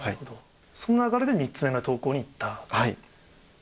その流れで３つ目の投稿にいはい。